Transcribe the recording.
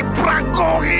itu sudah lolos